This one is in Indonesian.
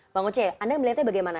bang oce anda melihatnya bagaimana